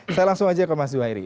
saya langsung aja ke mas zuhairi